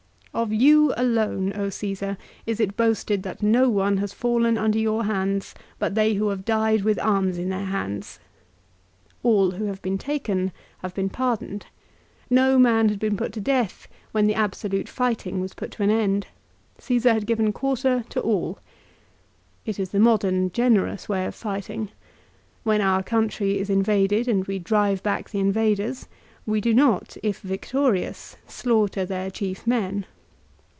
" Of you alone, Csesar, is it boasted that no one has fallen under your hands but they who have died with arms in their hands." 2 All who had been taken had been pardoned. No man had been put to death when the absolute fighting was brought to an end. Csesar had given quarter to all. It is the modern, generous way of fighting. When our country is invaded and we drive back the invaders, we do not, if victorious, slaughter their chief men.